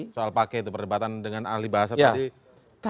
soal pakai itu perdebatan dengan ahli bahasa tadi